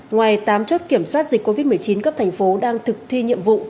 ngoài tám chốt kiểm soát dịch covid một mươi chín cấp thành phố đang thực thi nhiệm vụ